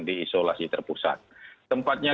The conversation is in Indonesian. di isolasi terpusat tempatnya